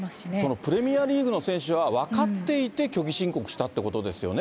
プレミアリーグの選手は分かっていて虚偽申告したってことですよね、